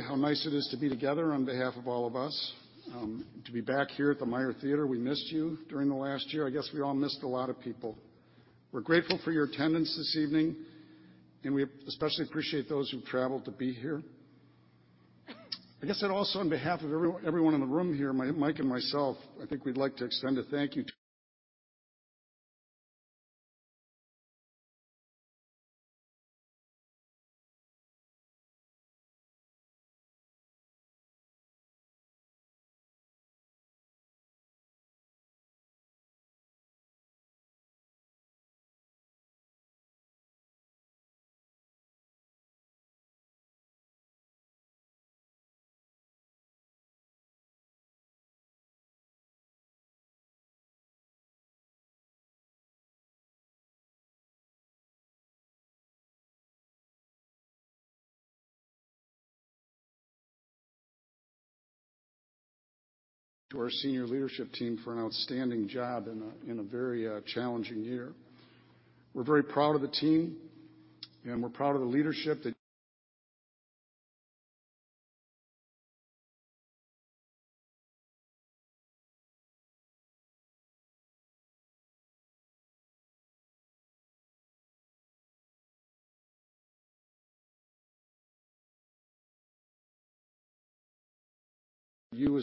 How nice it is to be together on behalf of all of us, to be back here at the Meyer Theatre. We missed you during the last year. I guess we all missed a lot of people. We're grateful for your attendance this evening, and we especially appreciate those who traveled to be here. I guess that also on behalf of everyone in the room here, Mike and myself, I think we'd like to extend a thank you to our senior leadership team for an outstanding job in a very challenging year. We're very proud of the team, and we're proud of the leadership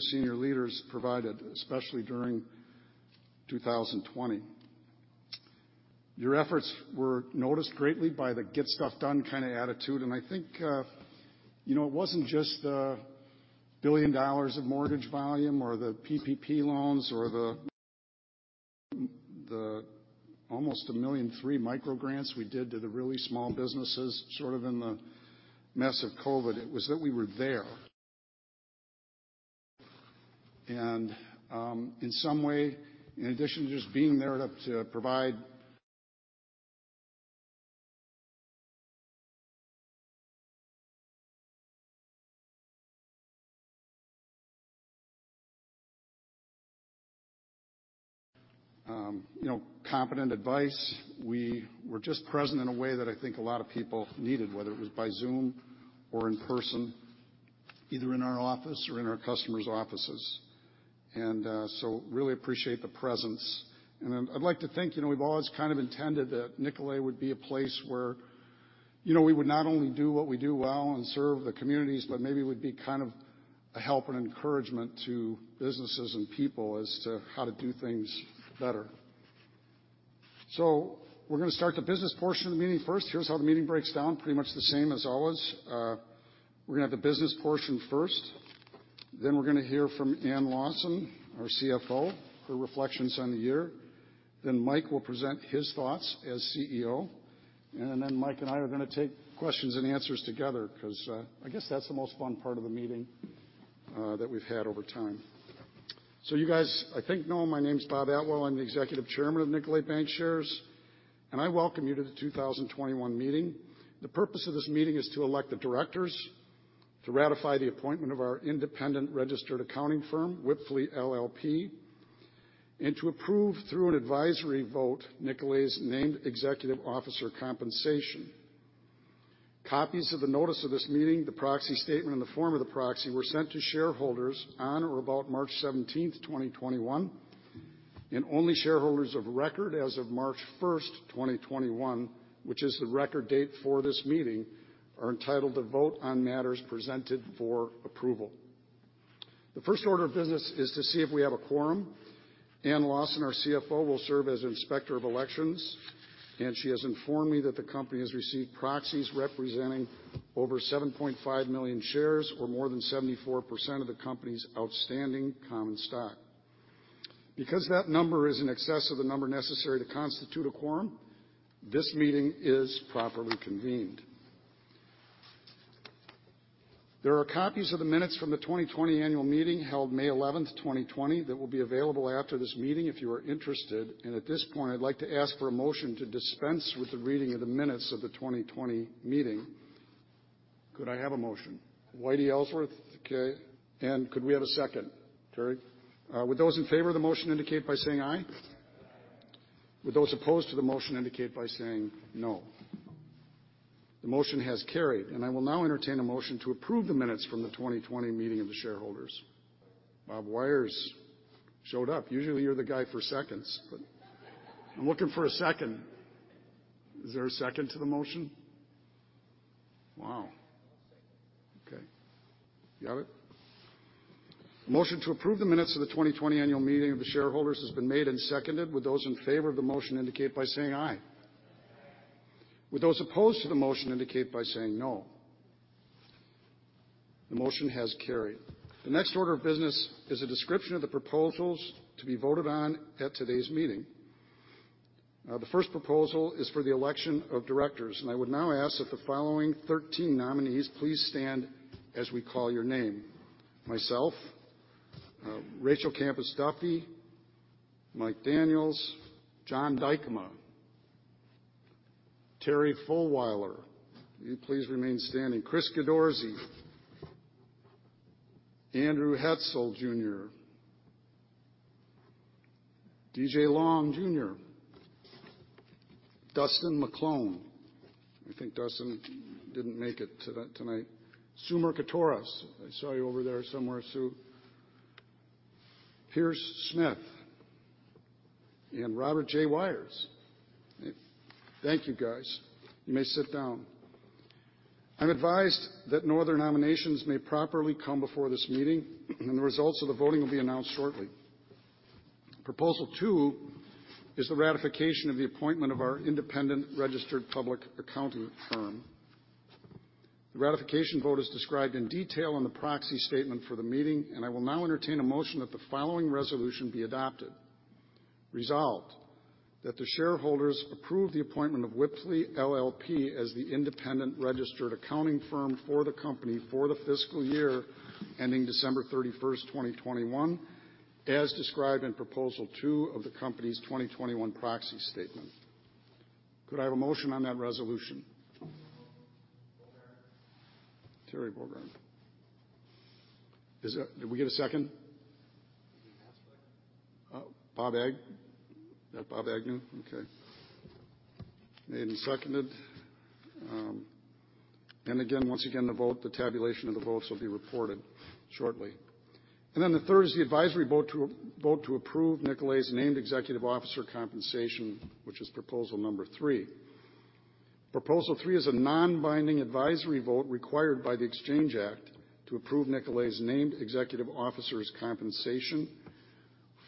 that you, as senior leaders, provided, especially during 2020. Your efforts were noticed greatly by the get stuff done kind of attitude. I think, it wasn't just the $1 billion of mortgage volume or the PPP loans or the almost 1 million and 300 micro grants we did to the really small businesses, sort of in the mess of COVID. It was that we were there. In some way, in addition to just being there to provide competent advice, we were just present in a way that I think a lot of people needed, whether it was by Zoom or in person, either in our office or in our customers' offices. Really appreciate the presence. I'd like to think, we've always kind of intended that Nicolet would be a place where we would not only do what we do well and serve the communities, but maybe we'd be a help and encouragement to businesses and people as to how to do things better. We're going to start the business portion of the meeting first. Here's how the meeting breaks down. Pretty much the same as always. We're going to have the business portion first, then we're going to hear from Ann Lawson, our CFO, her reflections on the year. Mike will present his thoughts as CEO, Mike and I are going to take questions and answers together because, I guess that's the most fun part of the meeting that we've had over time. You guys, I think know my name's Robert Atwell. I'm the executive chairman of Nicolet Bankshares, and I welcome you to the 2021 meeting. The purpose of this meeting is to elect the directors, to ratify the appointment of our independent registered accounting firm, Wipfli LLP, and to approve, through an advisory vote, Nicolet's named executive officer compensation. Copies of the notice of this meeting, the proxy statement, and the form of the proxy were sent to shareholders on or about March 17th, 2021, and only shareholders of record as of March 1st, 2021, which is the record date for this meeting, are entitled to vote on matters presented for approval. The first order of business is to see if we have a quorum. Ann Lawson, our CFO, will serve as Inspector of Elections. She has informed me that the company has received proxies representing over 7.5 million shares, or more than 74% of the company's outstanding common stock. Because that number is in excess of the number necessary to constitute a quorum, this meeting is properly convened. There are copies of the minutes from the 2020 annual meeting held May 11th, 2020 that will be available after this meeting if you are interested. At this point, I'd like to ask for a motion to dispense with the reading of the minutes of the 2020 meeting. Could I have a motion? Whitey Ellsworth. Okay. Could we have a second? Terry. Would those in favor of the motion indicate by saying aye? Aye. Would those opposed to the motion indicate by saying no. The motion has carried, and I will now entertain a motion to approve the minutes from the 2020 meeting of the shareholders. Robert J. Weyers showed up. Usually, you're the guy for seconds, but I'm looking for a second. Is there a second to the motion? Wow. I'll second. Okay. You have it? A motion to approve the minutes of the 2020 annual meeting of the shareholders has been made and seconded. Would those in favor of the motion indicate by saying aye. Aye. Would those opposed to the motion indicate by saying no. The motion has carried. The next order of business is a description of the proposals to be voted on at today's meeting. The first proposal is for the election of directors. I would now ask that the following 13 nominees please stand as we call your name. Myself, Rachel Campos-Duffy, Mike Daniels, John Dykema, Terrence Fulwiler. Will you please remain standing? Chris Ghidorzi, Andrew Hetzel Jr, DJ Long Jr, Dustin McClone. I think Dustin didn't make it tonight. Sue Merkatoris, I saw you over there somewhere, Sue. Pierce Smith and Robert J. Weyers. Thank you, guys. You may sit down. I'm advised that no other nominations may properly come before this meeting. The results of the voting will be announced shortly. Proposal two is the ratification of the appointment of our independent registered public accounting firm. The ratification vote is described in detail in the proxy statement for the meeting, and I will now entertain a motion that the following resolution be adopted. Resolved, that the shareholders approve the appointment of Wipfli LLP as the independent registered accounting firm for the company for the fiscal year ending December 31st, 2021, as described in proposal two of the company's 2021 proxy statement. Could I have a motion on that resolution? Moved. Terry Bogart. Did we get a second? Second. Bob Agnew? Okay. Made and seconded. The tabulation of the votes will be reported shortly. The third is the advisory vote to approve Nicolet's named executive officer compensation, which is proposal number three. Proposal three is a non-binding advisory vote required by the Exchange Act to approve Nicolet's named executive officers' compensation.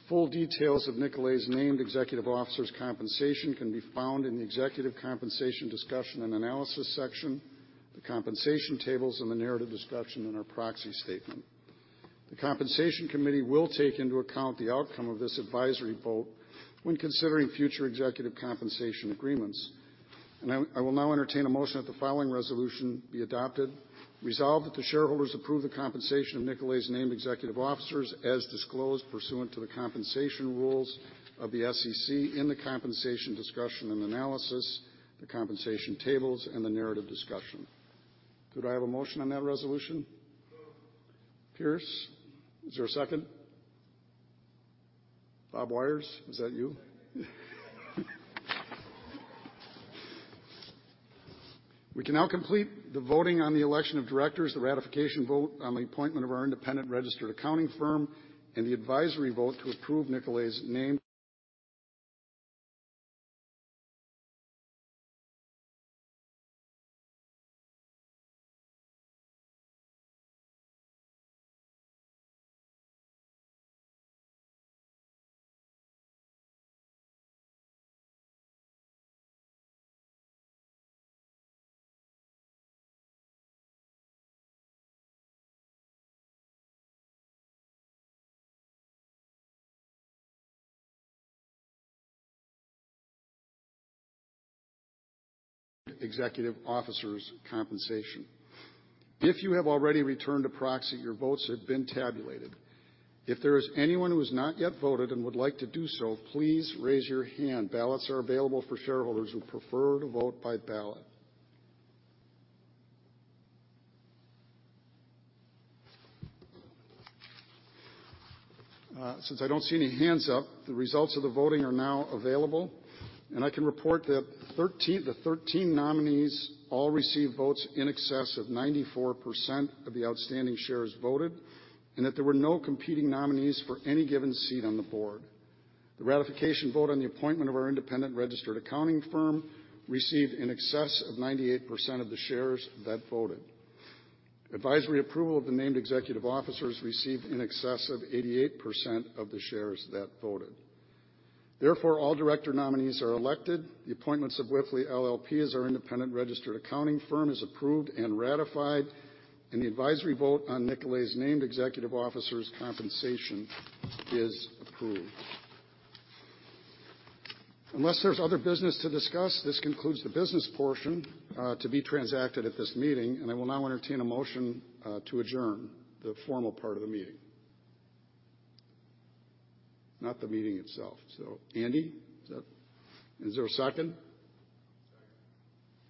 Full details of Nicolet's named executive officers' compensation can be found in the Executive Compensation Discussion and Analysis Section, the compensation tables, and the narrative discussion in our proxy statement. The Compensation Committee will take into account the outcome of this advisory vote when considering future executive compensation agreements. I will now entertain a motion that the following resolution be adopted. Resolved, that the shareholders approve the compensation of Nicolet's named executive officers as disclosed pursuant to the compensation rules of the SEC in the compensation discussion and analysis, the compensation tables, and the narrative discussion. Could I have a motion on that resolution? Moved. Oliver Pierce Smith. Is there a second? Robert J. Weyers, was that you? We can now complete the voting on the election of directors, the ratification vote on the appointment of our independent registered accounting firm, and the advisory vote to approve Nicolet's named executive officers' compensation. If you have already returned a proxy, your votes have been tabulated. If there is anyone who has not yet voted and would like to do so, please raise your hand. Ballots are available for shareholders who prefer to vote by ballot. Since I don't see any hands up, the results of the voting are now available, and I can report that the 13 nominees all received votes in excess of 94% of the outstanding shares voted, and that there were no competing nominees for any given seat on the board. The ratification vote on the appointment of our independent registered accounting firm received in excess of 98% of the shares that voted. Advisory approval of the named executive officers received in excess of 88% of the shares that voted. Therefore, all director nominees are elected, the appointments of Wipfli LLP as our independent registered accounting firm is approved and ratified, and the advisory vote on Nicolet's named executive officers' compensation is approved. Unless there's other business to discuss, this concludes the business portion to be transacted at this meeting, and I will now entertain a motion to adjourn the formal part of the meeting. Not the meeting itself. Andy, is there a second?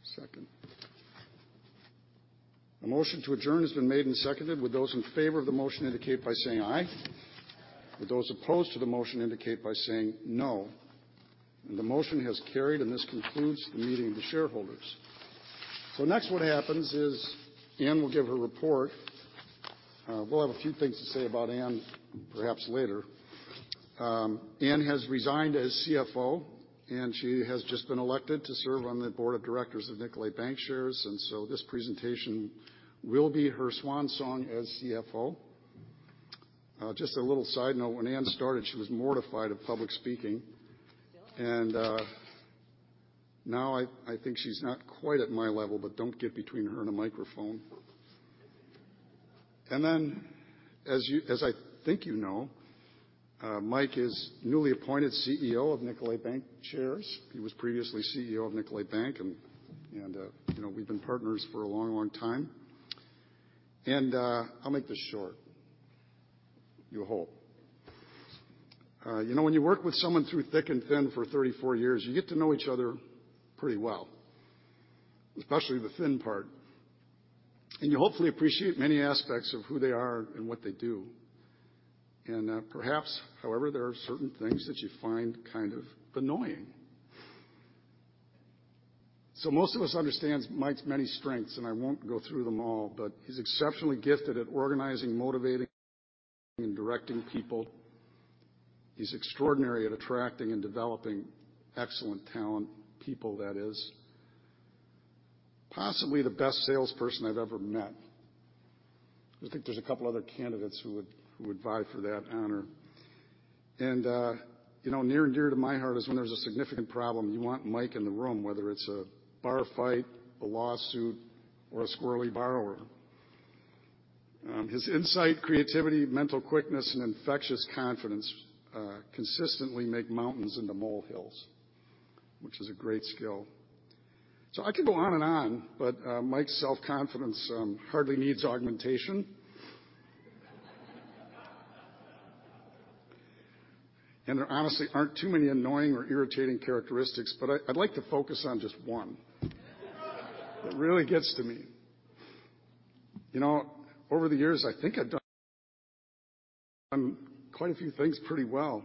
Second. A motion to adjourn has been made and seconded. Would those in favor of the motion indicate by saying "aye"? Aye. Would those opposed to the motion indicate by saying "no." The motion has carried, and this concludes the meeting of the shareholders. Next what happens is Ann will give her report. We'll have a few things to say about Ann perhaps later. Ann has resigned as CFO, and she has just been elected to serve on the board of directors of Nicolet Bankshares, and so this presentation will be her swan song as CFO. Just a little side note, when Ann started, she was mortified of public speaking. Still am. Now I think she's not quite at my level, but don't get between her and a microphone. Then, as I think you know, Mike Daniels is newly appointed CEO of Nicolet Bankshares. He was previously CEO of Nicolet National Bank, and we've been partners for a long time. I'll make this short, you hope. When you work with someone through thick and thin for 34 years, you get to know each other pretty well. Especially the thin part. You hopefully appreciate many aspects of who they are and what they do. Perhaps, however, there are certain things that you find kind of annoying. Most of us understand Mike Daniels's many strengths, and I won't go through them all, but he's exceptionally gifted at organizing, motivating, and directing people. He's extraordinary at attracting and developing excellent talent, people that is. Possibly the best salesperson I've ever met. I think there's a couple of other candidates who would vie for that honor. Near and dear to my heart is when there's a significant problem, you want Mike in the room, whether it's a bar fight, a lawsuit, or a squirrely borrower. His insight, creativity, mental quickness, and infectious confidence consistently make mountains into molehills, which is a great skill. I could go on and on, but Mike's self-confidence hardly needs augmentation. There honestly aren't too many annoying or irritating characteristics, but I'd like to focus on just one. It really gets to me. Over the years, I think I've done quite a few things pretty well.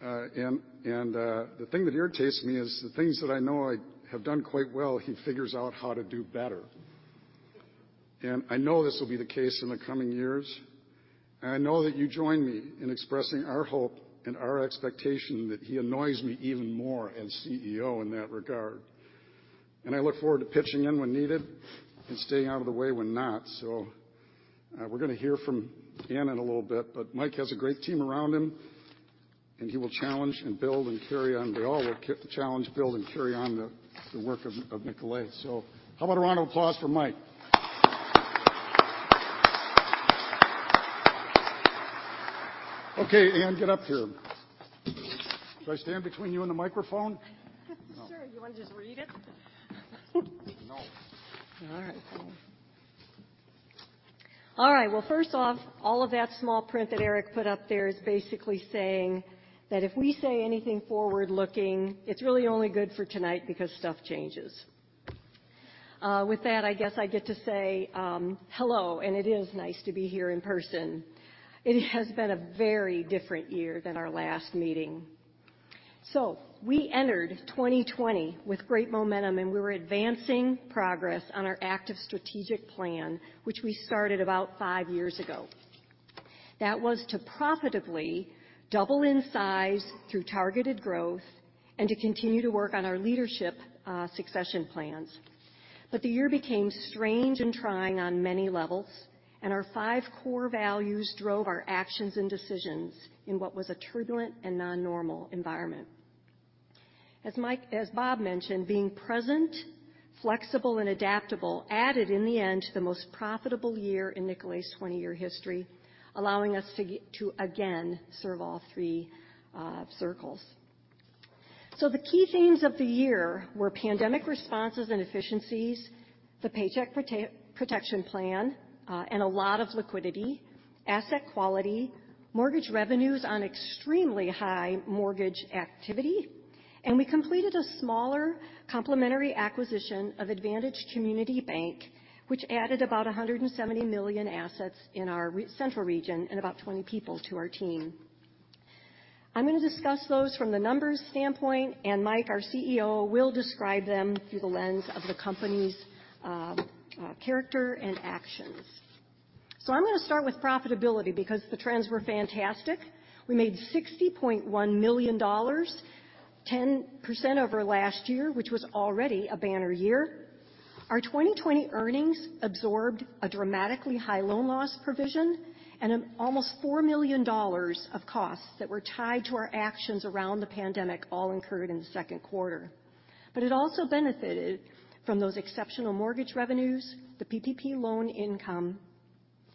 The thing that irritates me is the things that I know I have done quite well, he figures out how to do better. I know this will be the case in the coming years. I know that you join me in expressing our hope and our expectation that he annoys me even more as CEO in that regard. I look forward to pitching in when needed and staying out of the way when not. We're going to hear from Ann in a little bit, but Mike has a great team around him. He will challenge and build and carry on. We all will challenge, build, and carry on the work of Nicolet. How about a round of applause for Mike? Okay, Ann, get up here. Do I stand between you and the microphone? Sure. You want to just read it? No. All right. All right. First off, all of that small print that Eric put up there is basically saying that if we say anything forward-looking, it's really only good for tonight because stuff changes. With that, I guess I get to say hello, it is nice to be here in person. It has been a very different year than our last meeting. We entered 2020 with great momentum, we were advancing progress on our active strategic plan, which we started about five years ago. That was to profitably double in size through targeted growth and to continue to work on our leadership succession plans. The year became strange and trying on many levels, our five core values drove our actions and decisions in what was a turbulent and non-normal environment. As Bob mentioned, being present, flexible, and adaptable added, in the end, to the most profitable year in Nicolet's 20-year history, allowing us to again serve all three circles. The key themes of the year were pandemic responses and efficiencies, the Paycheck Protection Program, and a lot of liquidity, asset quality, mortgage revenues on extremely high mortgage activity. We completed a smaller complementary acquisition of Advantage Community Bank, which added about $170 million assets in our central region and about 20 people to our team. I'm going to discuss those from the numbers standpoint, and Mike, our CEO, will describe them through the lens of the company's character and actions. I'm going to start with profitability because the trends were fantastic. We made $60.1 million, 10% over last year, which was already a banner year. Our 2020 earnings absorbed a dramatically high loan loss provision and an almost $4 million of costs that were tied to our actions around the pandemic, all incurred in the second quarter. It also benefited from those exceptional mortgage revenues, the PPP loan income,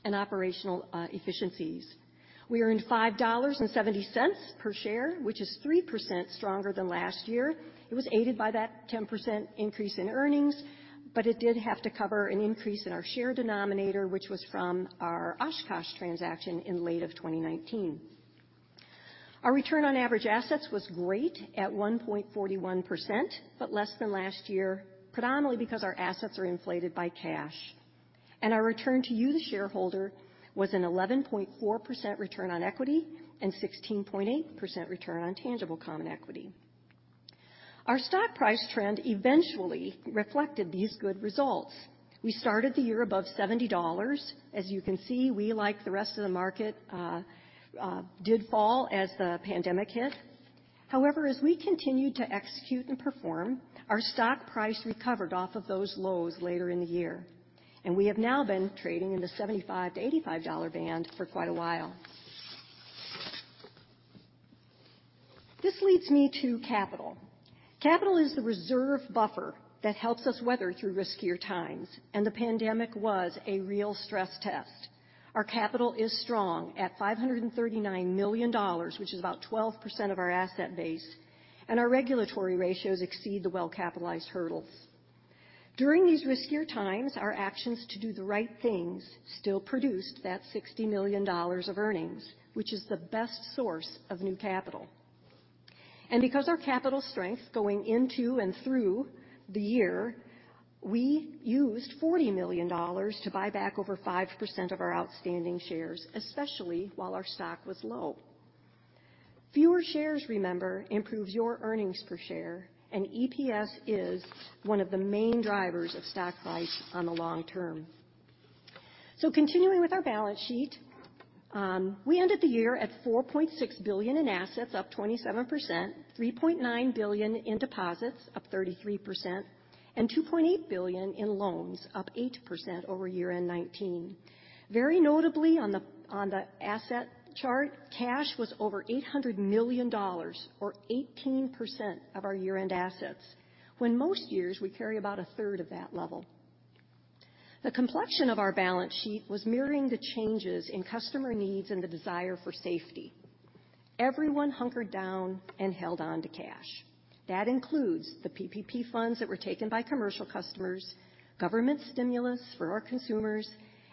and operational efficiencies. We earned $5.70 per share, which is 3% stronger than last year. It was aided by that 10% increase in earnings, but it did have to cover an increase in our share denominator, which was from our Oshkosh transaction in late of 2019. Our return on average assets was great at 1.41%, but less than last year, predominantly because our assets are inflated by cash. Our return to you, the shareholder, was an 11.4% return on equity and 16.8% return on tangible common equity. Our stock price trend eventually reflected these good results. We started the year above $70. As you can see, we, like the rest of the market, did fall as the pandemic hit. However, as we continued to execute and perform, our stock price recovered off of those lows later in the year. We have now been trading in the $75-$85 band for quite a while. This leads me to capital. Capital is the reserve buffer that helps us weather through riskier times, and the pandemic was a real stress test. Our capital is strong at $539 million, which is about 12% of our asset base, and our regulatory ratios exceed the well-capitalized hurdles. During these riskier times, our actions to do the right things still produced that $60 million of earnings, which is the best source of new capital. Because our capital strength going into and through the year, we used $40 million to buy back over 5% of our outstanding shares, especially while our stock was low. Fewer shares, remember, improves your earnings per share, and EPS is one of the main drivers of stock price on the long term. Continuing with our balance sheet, we ended the year at $4.6 billion in assets, up 27%, $3.9 billion in deposits, up 33%, and $2.8 billion in loans, up 8% over year-end 2019. Very notably on the asset chart, cash was over $800 million or 18% of our year-end assets. When most years we carry about a third of that level. The complexion of our balance sheet was mirroring the changes in customer needs and the desire for safety. Everyone hunkered down and held on to cash. That includes the PPP funds that were taken by commercial customers, government stimulus for our consumers,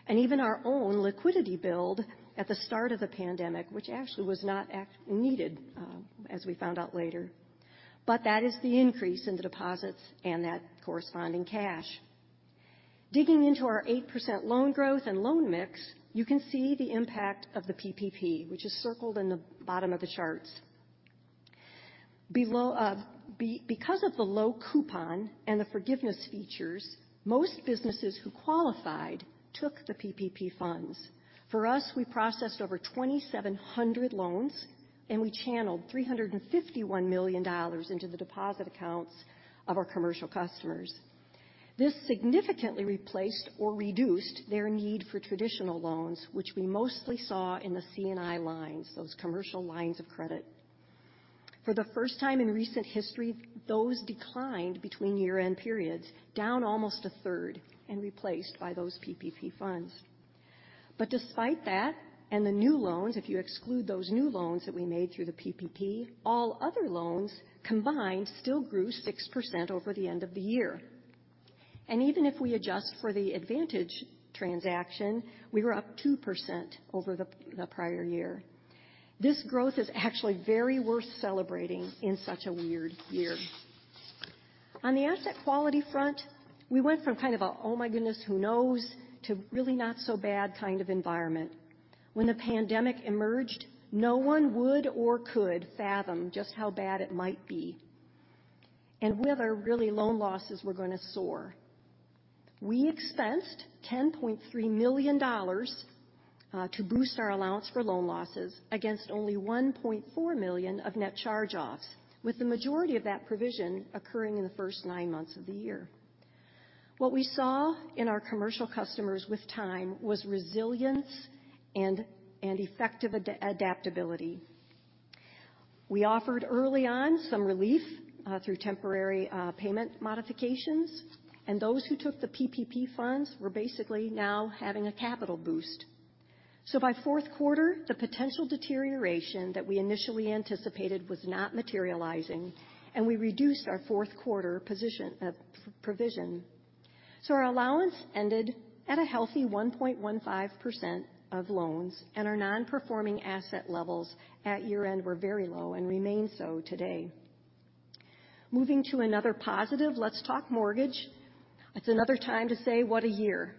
and even our own liquidity build at the start of the pandemic, which actually was not needed, as we found out later. That is the increase in the deposits and that corresponding cash. Digging into our 8% loan growth and loan mix, you can see the impact of the PPP, which is circled in the bottom of the charts. Because of the low coupon and the forgiveness features, most businesses who qualified took the PPP funds. For us, we processed over 2,700 loans and we channeled $351 million into the deposit accounts of our commercial customers. This significantly replaced or reduced their need for traditional loans, which we mostly saw in the C&I lines, those commercial lines of credit. For the first time in recent history, those declined between year-end periods, down almost a third, and replaced by those PPP funds. Despite that, and the new loans, if you exclude those new loans that we made through the PPP, all other loans combined still grew 6% over the end of the year. Even if we adjust for the Advantage transaction, we were up 2% over the prior year. This growth is actually very worth celebrating in such a weird year. On the asset quality front, we went from kind of a, "Oh my goodness, who knows?" to really not so bad kind of environment. When the pandemic emerged, no one would or could fathom just how bad it might be. Whether really loan losses were going to soar. We expensed $10.3 million to boost our allowance for loan losses against only $1.4 million of net charge-offs, with the majority of that provision occurring in the first nine months of the year. What we saw in our commercial customers with time was resilience and effective adaptability. We offered early on some relief through temporary payment modifications. Those who took the PPP funds were basically now having a capital boost. By fourth quarter, the potential deterioration that we initially anticipated was not materializing. We reduced our fourth quarter provision. Our allowance ended at a healthy 1.15% of loans. Our non-performing asset levels at year-end were very low and remain so today. Moving to another positive, let's talk mortgage. It's another time to say, what a year.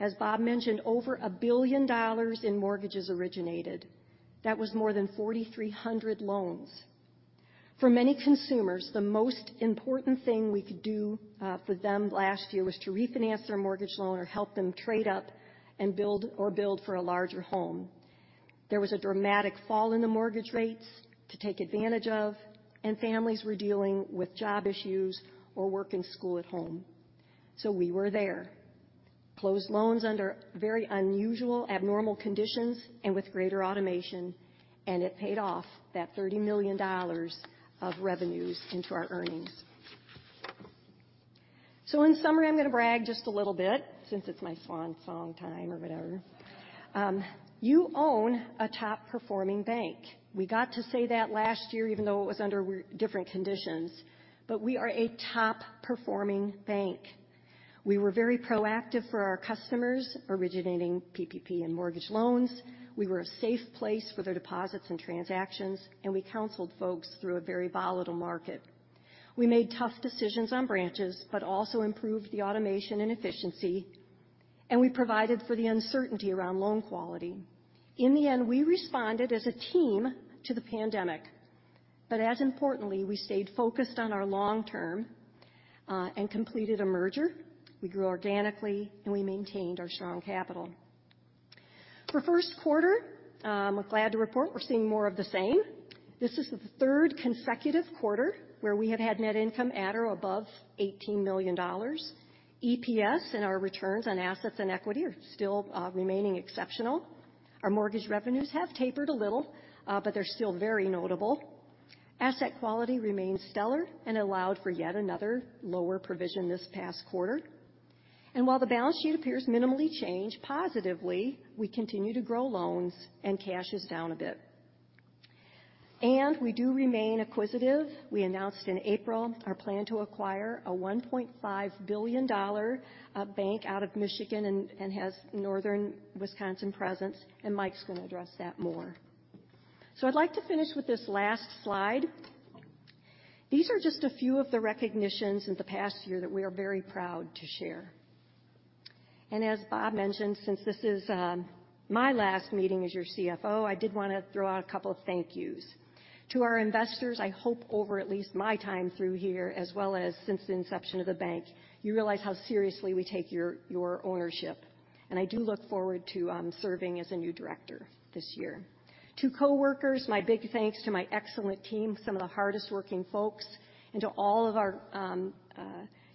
As Bob mentioned, over $1 billion in mortgages originated. That was more than 4,300 loans. For many consumers, the most important thing we could do for them last year was to refinance their mortgage loan or help them trade up or build for a larger home. There was a dramatic fall in the mortgage rates to take advantage of, and families were dealing with job issues or work and school at home. We were there. Closed loans under very unusual, abnormal conditions and with greater automation, and it paid off that $30 million of revenues into our earnings. In summary, I'm going to brag just a little bit since it's my swan song time or whatever. You own a top-performing bank. We got to say that last year, even though it was under different conditions. We are a top-performing bank. We were very proactive for our customers, originating PPP and mortgage loans. We were a safe place for their deposits and transactions, and we counseled folks through a very volatile market. We made tough decisions on branches, but also improved the automation and efficiency, and we provided for the uncertainty around loan quality. In the end, we responded as a team to the pandemic. As importantly, we stayed focused on our long term and completed a merger. We grew organically, and we maintained our strong capital. For first quarter, I'm glad to report we're seeing more of the same. This is the third consecutive quarter where we have had net income at or above $18 million. EPS and our returns on assets and equity are still remaining exceptional. Our mortgage revenues have tapered a little, but they're still very notable. Asset quality remains stellar and allowed for yet another lower provision this past quarter. While the balance sheet appears minimally changed positively, we continue to grow loans and cash is down a bit. We do remain acquisitive. We announced in April our plan to acquire a $1.5 billion bank out of Michigan and has northern Wisconsin presence. Mike's going to address that more. I'd like to finish with this last slide. These are just a few of the recognitions in the past year that we are very proud to share. As Bob mentioned, since this is my last meeting as your CFO, I did want to throw out a couple of thank yous. To our investors, I hope over at least my time through here, as well as since the inception of the bank, you realize how seriously we take your ownership. I do look forward to serving as a new director this year. To coworkers, my big thanks to my excellent team, some of the hardest working folks, and to all of our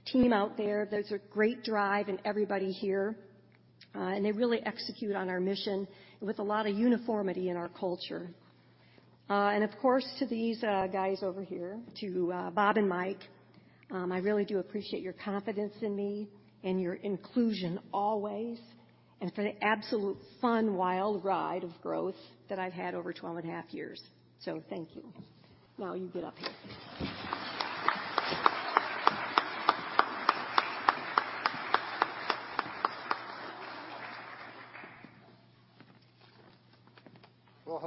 team out there. There's a great drive in everybody here, and they really execute on our mission with a lot of uniformity in our culture. Of course, to these guys over here, to Bob and Mike, I really do appreciate your confidence in me and your inclusion always, and for the absolute fun, wild ride of growth that I've had over 12 and a half years. Thank you. Now you get up here.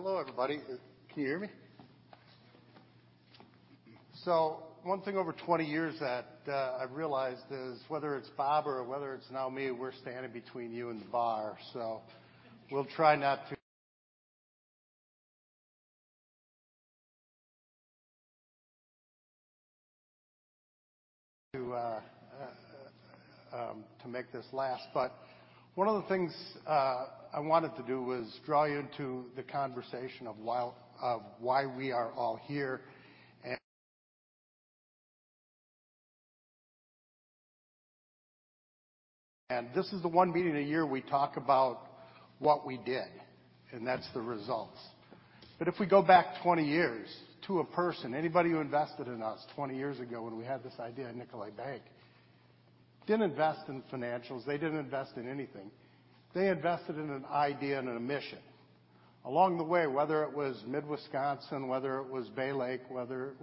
Hello, everybody. Can you hear me? One thing over 20 years that I've realized is whether it's Bob Atwell or whether it's now me, we're standing between you and the bar. We'll try not to make this last. One of the things I wanted to do was draw you into the conversation of why we are all here. This is the one meeting a year we talk about what we did, and that's the results. If we go back 20 years to a person, anybody who invested in us 20 years ago when we had this idea, Nicolet Bank, didn't invest in financials. They didn't invest in anything. They invested in an idea and in a mission. Along the way, whether it was Mid-Wisconsin, whether it was Baylake, whether it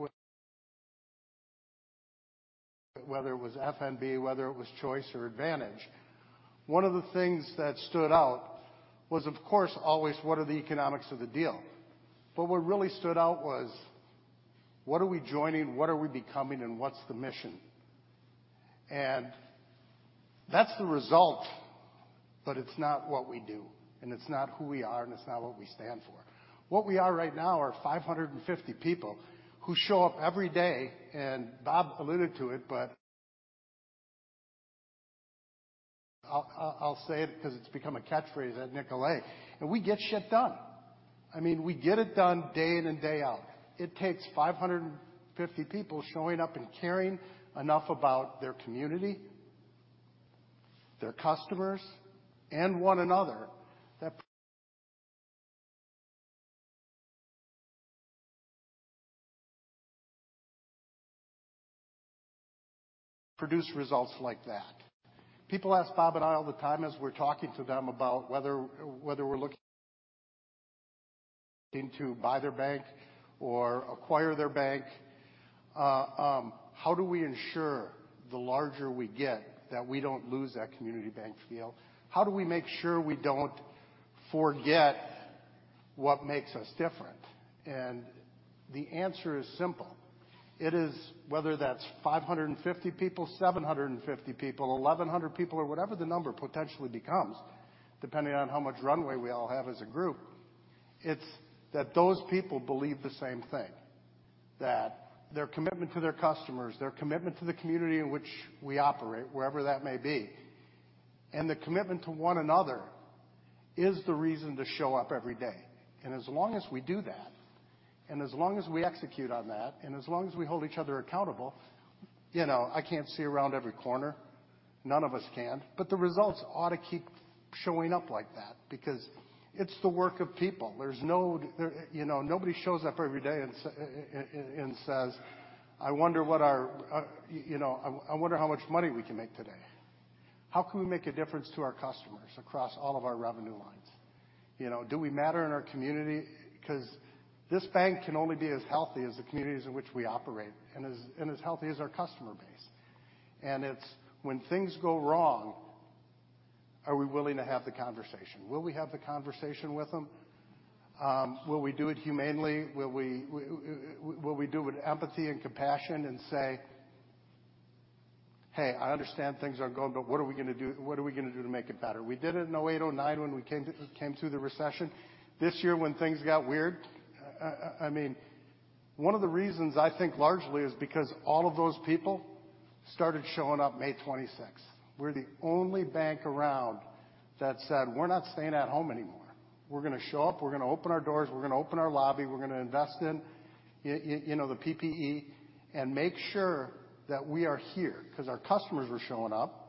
was FNB, whether it was Choice or Advantage, one of the things that stood out was, of course, always what are the economics of the deal? What really stood out was what are we joining? What are we becoming? What's the mission? That's the result, but it's not what we do, and it's not who we are, and it's not what we stand for. What we are right now are 550 people who show up every day, and Bob alluded to it, but I'll say it because it's become a catchphrase at Nicolet, and we get shit done. We get it done day in and day out. It takes 550 people showing up and caring enough about their community, their customers, and one another that produce results like that. People ask Bob and I all the time as we're talking to them about whether we're looking to buy their bank or acquire their bank, how do we ensure the larger we get that we don't lose that community bank feel? How do we make sure we don't forget what makes us different? The answer is simple. It is whether that's 550 people, 750 people, 1,100 people, or whatever the number potentially becomes, depending on how much runway we all have as a group, it's that those people believe the same thing. That their commitment to their customers, their commitment to the community in which we operate, wherever that may be, and the commitment to one another is the reason to show up every day. As long as we do that, as long as we execute on that, and as long as we hold each other accountable, I can't see around every corner. None of us can. The results ought to keep showing up like that because it's the work of people. Nobody shows up every day and says, "I wonder how much money we can make today." How can we make a difference to our customers across all of our revenue lines? Do we matter in our community? This bank can only be as healthy as the communities in which we operate and as healthy as our customer base. It's when things go wrong, are we willing to have the conversation? Will we have the conversation with them? Will we do it humanely? Will we do it with empathy and compassion and say, "Hey, I understand things aren't going, but what are we going to do to make it better?" We did it in 2008, 2009 when we came through the recession. This year when things got weird, one of the reasons I think largely is because all of those people started showing up May 26th. We're the only bank around that said, "We're not staying at home anymore. We're going to show up. We're going to open our doors. We're going to open our lobby. We're going to invest in the PPE and make sure that we are here," because our customers were showing up.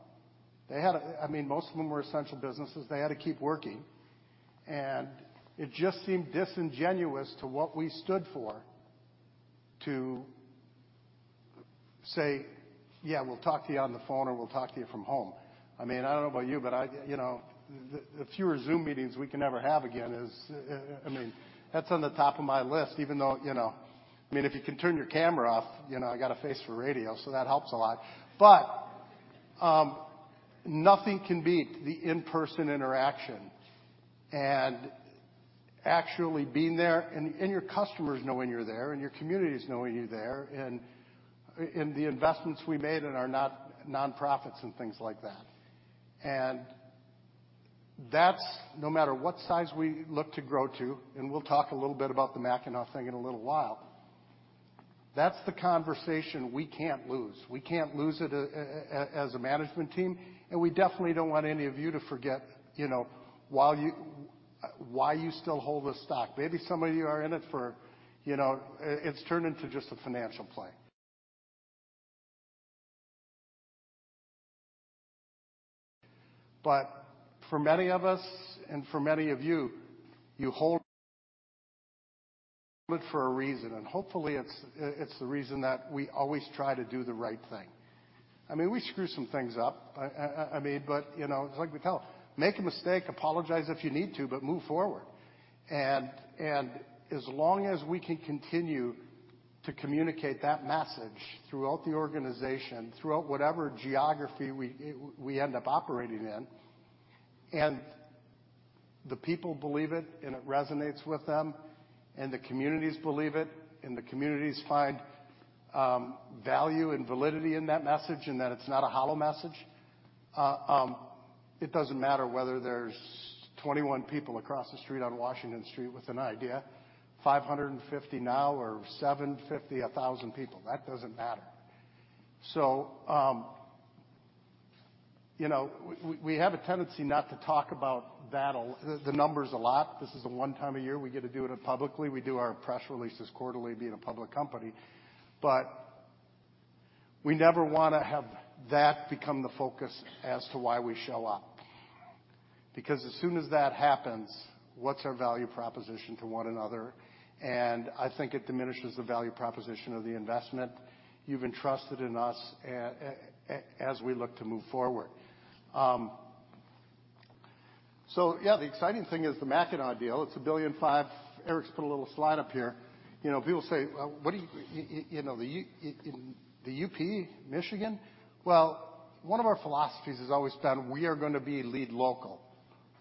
Most of them were essential businesses. They had to keep working. It just seemed disingenuous to what we stood for to say, "Yeah, we'll talk to you on the phone, or we'll talk to you from home." I don't know about you, but the fewer Zoom meetings we can ever have again, that's on the top of my list, even though if you can turn your camera off, I got a face for radio, so that helps a lot. Nothing can beat the in-person interaction, actually being there, and your customers knowing you're there, and your communities knowing you're there, and the investments we made in our nonprofits and things like that. That, no matter what size we look to grow to, and we'll talk a little bit about the Mackinac thing in a little while, that's the conversation we can't lose. We can't lose it as a management team, we definitely don't want any of you to forget why you still hold a stock. Maybe some of you are in it. It's turned into just a financial play. For many of us, and for many of you hold it for a reason. Hopefully, it's the reason that we always try to do the right thing. We screw some things up. It's like we tell, "Make a mistake, apologize if you need to, but move forward." As long as we can continue to communicate that message throughout the organization, throughout whatever geography we end up operating in, and the people believe it, and it resonates with them, and the communities believe it, and the communities find value and validity in that message, and that it's not a hollow message. It doesn't matter whether there's 21 people across the street on Washington Street with an idea, 550 now, or 750, 1,000 people. That doesn't matter. We have a tendency not to talk about the numbers a lot. This is the one time a year we get to do it publicly. We do our press releases quarterly, being a public company. We never wanna have that become the focus as to why we show up. As soon as that happens, what's our value proposition to one another? I think it diminishes the value proposition of the investment you've entrusted in us as we look to move forward. Yeah, the exciting thing is the Mackinac deal. It's $1.5 billion. Eric's put a little slide up here. People say, "The UP? Michigan? Well, one of our philosophies has always been, we are going to be lead local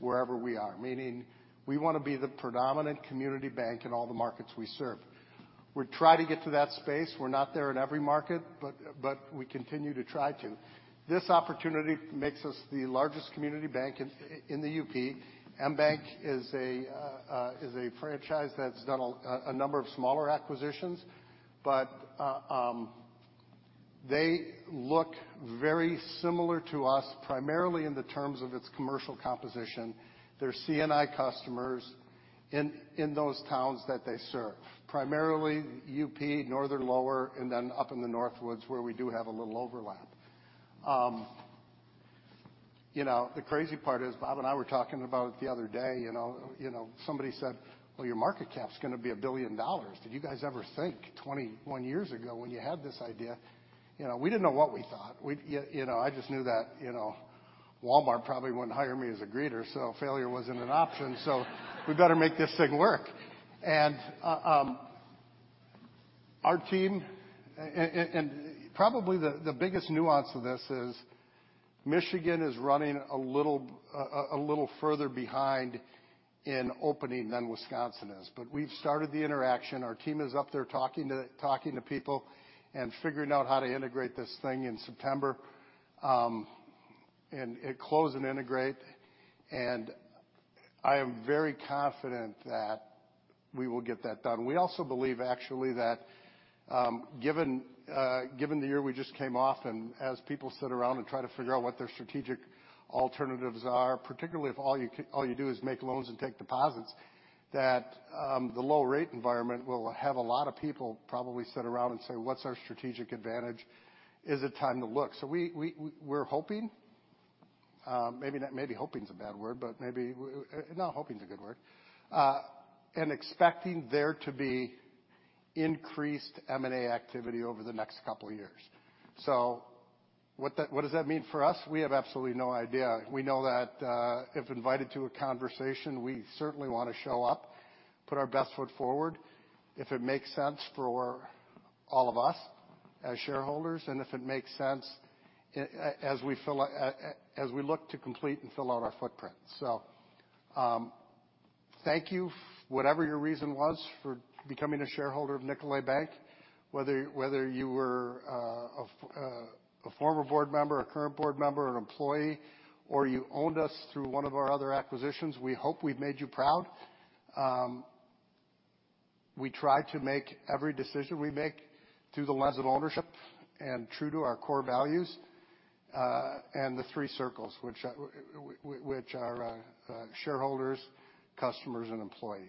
wherever we are. Meaning, we want to be the predominant community bank in all the markets we serve. We try to get to that space. We are not there in every market, but we continue to try to. This opportunity makes us the largest community bank in the UP. mBank is a franchise that has done a number of smaller acquisitions. They look very similar to us, primarily in the terms of its commercial composition, their C&I customers in those towns that they serve. Primarily UP, Northern Lower, and then up in the Northwoods, where we do have a little overlap. The crazy part is, Bob Atwell and I were talking about it the other day. Somebody said, "Well, your market cap is going to be $1 billion. Did you guys ever think 21 years ago when you had this idea? We didn't know what we thought. I just knew that Walmart probably wouldn't hire me as a greeter. Failure wasn't an option. We better make this thing work. Probably the biggest nuance of this is Michigan is running a little further behind in opening than Wisconsin is. We've started the interaction. Our team is up there talking to people and figuring out how to integrate this thing in September. Close and integrate. I am very confident that we will get that done. We also believe, actually, that given the year we just came off, and as people sit around and try to figure out what their strategic alternatives are, particularly if all you do is make loans and take deposits, that the low rate environment will have a lot of people probably sit around and say, "What's our strategic advantage? Is it time to look?" We're hoping. Maybe hoping is a bad word. No, hoping is a good word. Expecting there to be increased M&A activity over the next couple of years. What does that mean for us? We have absolutely no idea. We know that if invited to a conversation, we certainly wanna show up, put our best foot forward. If it makes sense for all of us as shareholders, and if it makes sense as we look to complete and fill out our footprint. Thank you, whatever your reason was for becoming a shareholder of Nicolet Bankshares. Whether you were a former board member, a current board member, an employee, or you owned us through one of our other acquisitions, we hope we've made you proud. We try to make every decision we make through the lens of ownership and true to our core values, and the three circles, which are shareholders, customers, and employees.